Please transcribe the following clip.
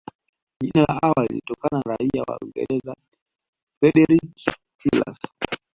Jina la awali lilitokana na raia wa Uingereza Frederick Selous